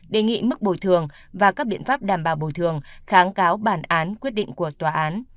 đề nghị mức bồi thường và các biện pháp đảm bảo bồi thường kháng cáo bản án quyết định của tòa án